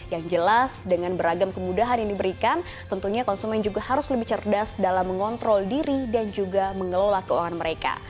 yang jelas dengan beragam kemudahan yang diberikan tentunya konsumen juga harus lebih cerdas dalam mengontrol diri dan juga mengelola keuangan mereka